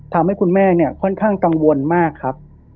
ทำให้คุณแม่เนี่ยค่อนข้างกังวลมากครับ